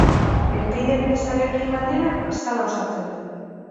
Epidermisarekin batera, azala osatzen du.